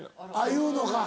言うのか。